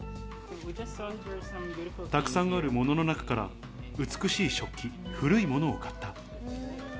たくさんあるものの中から美しい食器、古いものを買った。